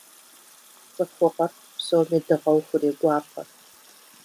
ЦӀыхугъэр псоми дыгъэу хурегуапэ.